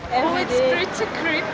terasa sangat menakutkan